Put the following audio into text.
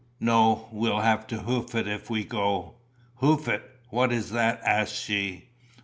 No, we'll have to hoof it if we go." "Hoof it what is that?" asked she.